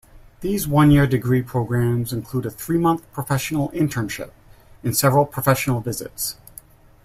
These one-year degree programs include a three-month professional internship and several professional visits.